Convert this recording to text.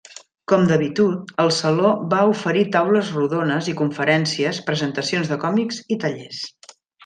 Com d'habitud, el Saló va oferir taules rodones i conferències, presentacions de còmics i tallers.